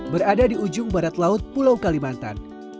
berada di ujung barat laut pulau kalimantan